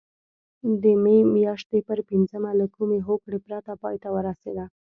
د مې میاشتې پر پینځمه له کومې هوکړې پرته پای ته ورسېده.